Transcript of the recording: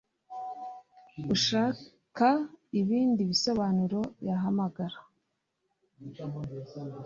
Ushaka ibindi bisobanuro yahamagara